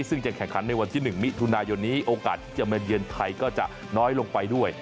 ซึ่งจะแข่งขันในวันที่๑มิถุนายนนี้โอกาสที่จะมาเยือนไทยก็จะน้อยลงไปด้วย